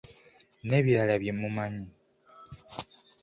N’ebirala bye mumanyi.